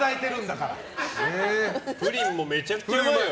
プリンもめちゃくちゃうまいよ。